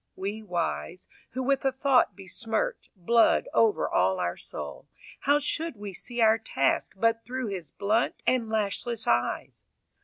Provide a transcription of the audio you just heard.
V We wise, who with a thought besmirch Blood over all our soul, How should we see our task But through his blunt and lashless eyes?